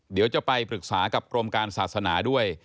เดี๋ยวจะไปปรึกษากับกรมการศาสนาด้วย